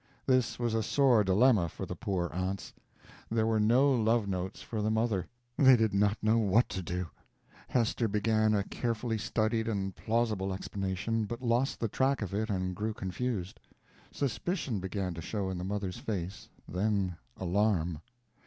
This was a sore dilemma for the poor aunts. There were no love notes for the mother. They did not know what to do. Hester began a carefully studied and plausible explanation, but lost the track of it and grew confused; suspicion began to show in the mother's face, then alarm.